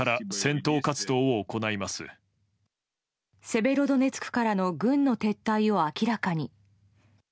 セベロドネツクからの軍の撤退を明らかに。